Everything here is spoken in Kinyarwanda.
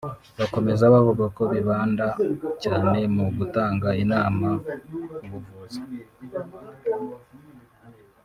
Bakomeza bavuga ko bibanda cyane mu gutanga inama k’ubuvuzi